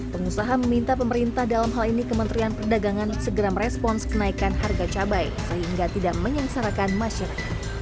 pengusaha meminta pemerintah dalam hal ini kementerian perdagangan segera merespons kenaikan harga cabai sehingga tidak menyengsarakan masyarakat